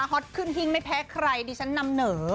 ฮอตขึ้นหิ้งไม่แพ้ใครดิฉันนำเหนอ